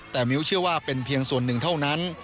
แต่มิ้วเชื่อว่าเป็นเพียงส่วนหนึ่งเท่านั้น